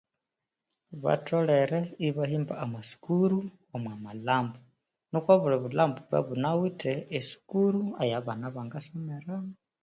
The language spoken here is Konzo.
Batholere ibahimba amasukuru omwa malhambo, nuko obuli bulhambo ibwabya ibunawithe esukuru eyabangasomeramo.